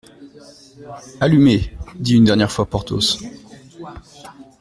Allumez, dit une dernière fois Porthos.